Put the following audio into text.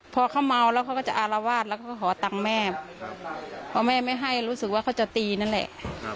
พอเขาเมาแล้วเขาก็จะอารวาสแล้วก็ขอตังค์แม่พอแม่ไม่ให้รู้สึกว่าเขาจะตีนั่นแหละ